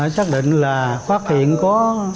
xác định là phát hiện có